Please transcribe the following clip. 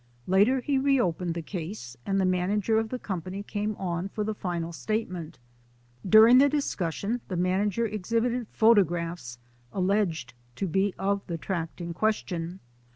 Later he re opened the case and the manager the company came on for the final statement. During the discussion the manager exhibited photo graphs alleged to be of the tract in question.